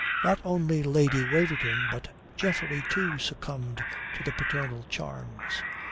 Not only Lady Waverton, but Geoffrey too, succumbed to the paternal charms.